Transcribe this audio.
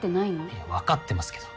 いやわかってますけど。